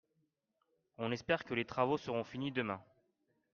On espère que les travaux seront finis demain.